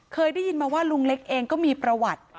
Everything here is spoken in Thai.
เคยได้ยินมาว่าลุงเล็กเองก็มีประวัติ